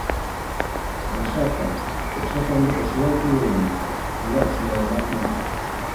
Ғәйшә апай, эшләпәмде ошолай кейәйемме, әллә ошолайыраҡмы?